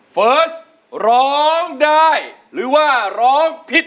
เฟิร์สร้องได้หรือว่าร้องผิด